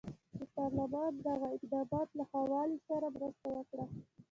د پارلمان دغه اقدام له ښه والي سره مرسته وکړه.